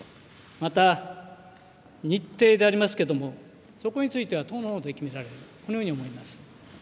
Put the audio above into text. また日程でありますけれどもそこについては党のほうで決められるこのように思います。